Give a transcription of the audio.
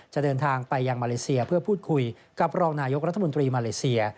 เดินทางไปยังมาเลเซียเพื่อพูดคุยกับรองนายกรัฐมนตรีมาเลเซีย